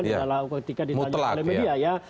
setelah ketika ditanya oleh media ya